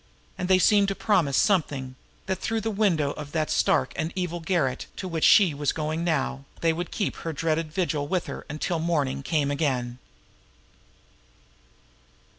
And they seemed to promise something that through the window of that stark and evil garret to which she was going now, they would keep her dreaded vigil with her until morning came again.